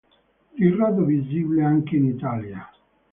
Di rado visibile anche in Italia.